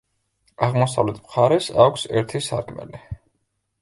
აღმოსავლეთ მხარეს აქვს ერთი სარკმელი.